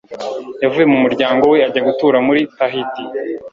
Yavuye mu muryango we ajya gutura muri Tahiti.